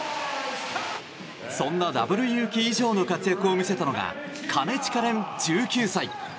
そんなダブルゆうき以上の活躍を見せたのが、金近廉、１９歳。